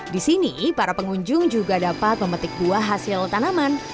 di sini para pengunjung juga dapat memetik buah hasil tanaman